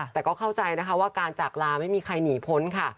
แต่ก็เข้าใจนะคะว่าการจากลาไม่มีใครหนีพ้นค่ะ